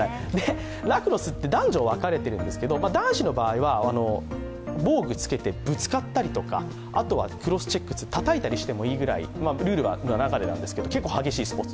ラクロスって男女に分かれているんですけど、男子の場合は防具を着けてぶつかったりとかたたいてもいいぐらい、ルールの中ですけど結構激しいスポーツ。